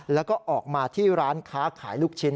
แล้วก็ออกมาที่ร้านค้าขายลูกชิ้น